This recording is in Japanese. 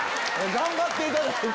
頑張っていただいて。